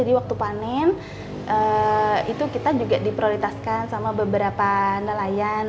jadi waktu panen itu kita juga diprioritaskan sama beberapa nelayan